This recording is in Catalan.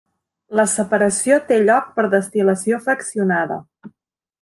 La separació té lloc per destil·lació fraccionada.